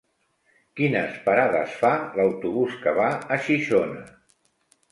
Quines parades fa l'autobús que va a Xixona?